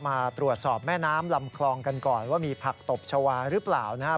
มาตรวจสอบแม่น้ำลำคลองกันก่อนว่ามีผักตบชาวาหรือเปล่านะครับ